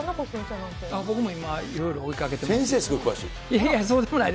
僕も今、いろいろ追いかけて先生詳しい。